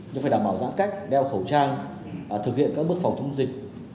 nhưng phải đảm bảo giãn cách đeo khẩu trang thực hiện các bước phòng chống dịch